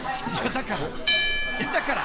［だから！